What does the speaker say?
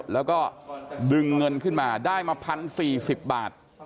แล้วก็ดึงเงินขึ้นมาได้มา๑๐๔๐บาท